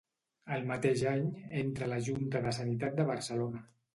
El mateix any, entra a la Junta de Sanitat de Barcelona.